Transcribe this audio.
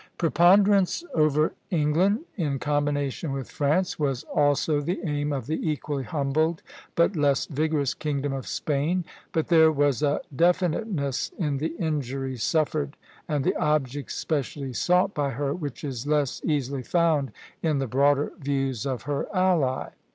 Preponderance over England, in combination with France, was also the aim of the equally humbled but less vigorous kingdom of Spain; but there was a definiteness in the injuries suffered and the objects specially sought by her which is less easily found in the broader views of her ally.